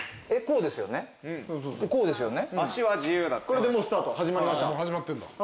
これでもうスタート始まりました。